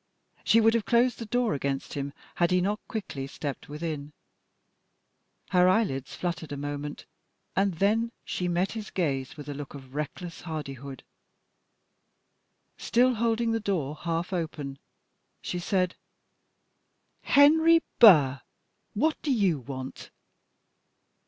She would have closed the door against him, had he not quickly stepped within. Her eyelids fluttered a moment, and then she met his gaze with a look of reckless hardihood. Still holding the door half open, she said "Henry Burr, what do you want?"